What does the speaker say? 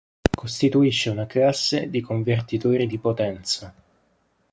Costituisce una classe di convertitori di potenza.